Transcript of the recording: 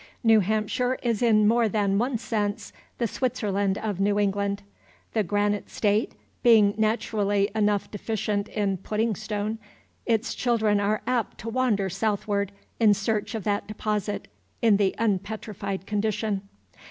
New Hampshire is in more than one sense the Switzerland of New England. The "Granite State" being naturally enough deficient in pudding stone, its children are apt to wander southward in search of that deposit, in the unpetrified condition.